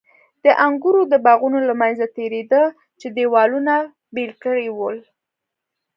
د انګورو د باغونو له منځه تېرېده چې دېوالونو بېل کړي ول.